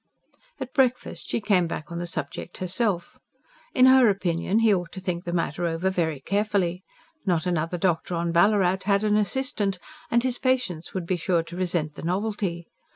At breakfast she came back on the subject herself. In her opinion, he ought to think the matter over very carefully. Not another doctor on Ballarat had an assistant; and his patients would be sure to resent the novelty.